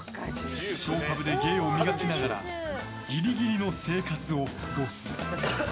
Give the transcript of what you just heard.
ショーパブで芸を磨きながらギリギリの生活を過ごす。